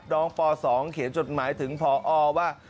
ป๒เขียนจดหมายถึงพอว่า